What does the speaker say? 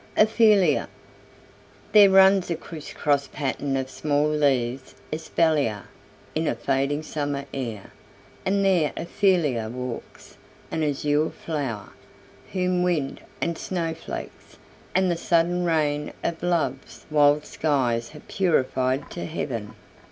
OPHELIA There runs a crisscross pattern of small leaves Espalier, in a fading summer air, And there Ophelia walks, an azure flower, Whom wind, and snowflakes, and the sudden rain Of love's wild skies have purified to heaven.